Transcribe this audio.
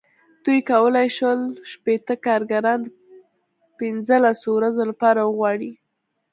دوی کولای شول شپېته کارګران د پنځلسو ورځو لپاره وغواړي.